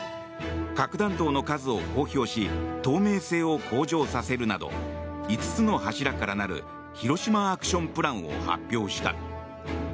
核弾頭の数を公表し透明性を向上させるなど５つの柱から成るヒロシマ・アクション・プランを発表した。